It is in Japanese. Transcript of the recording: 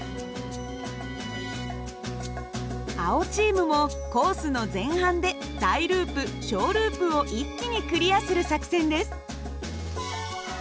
青チームもコースの前半で大ループ小ループを一気にクリアする作戦です。